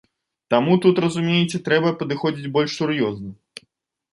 Таму тут, разумееце, трэба падыходзіць больш сур'ёзна.